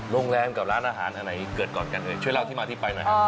โรงแรมกับร้านอาหารอันไหนเกิดก่อนกันเอ่ยช่วยเล่าที่มาที่ไปหน่อยครับ